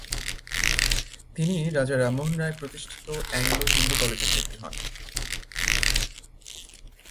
তিনি রাজা রামমোহন রায় প্রতিষ্ঠিত অ্যাংলো হিন্দু কলেজে ভর্তি হন।